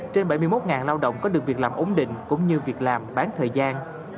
trên bảy mươi một lao động có được việc làm ổn định cũng như việc làm bán thời gian